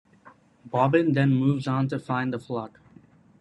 Bobbin then moves on to find the flock.